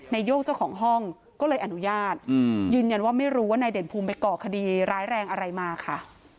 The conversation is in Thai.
โย่งเจ้าของห้องก็เลยอนุญาตยืนยันว่าไม่รู้ว่านายเด่นภูมิไปก่อคดีร้ายแรงอะไรมาค่ะ